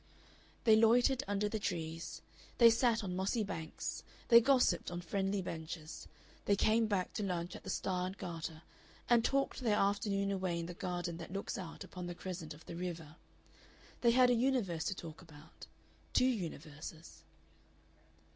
They loitered under trees, they sat on mossy banks they gossiped on friendly benches, they came back to lunch at the "Star and Garter," and talked their afternoon away in the garden that looks out upon the crescent of the river. They had a universe to talk about two universes.